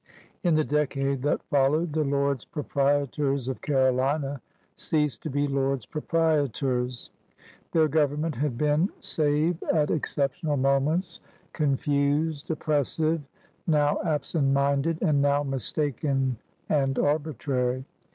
In the decade that followed, the Lords Proprie tors of Carolina ceased to be Lords Proprietors. Their government had been, save at exceptional moments, confused, oppressive, now absent mind ed, and now mistaken and arbitrary.